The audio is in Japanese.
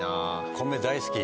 米大好き。